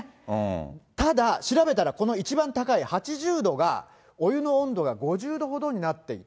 ただ、調べたら、この一番高い８０度が、お湯の温度が５０度ほどになっていた。